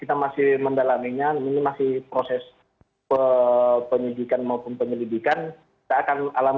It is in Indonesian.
jadi mendalaminya ini masih proses penyelidikan maupun penyelidikan